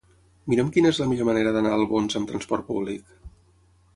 Mira'm quina és la millor manera d'anar a Albons amb trasport públic.